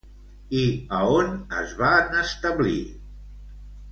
I a on es van establir?